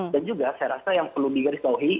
dan juga saya rasa yang perlu digarisbawahi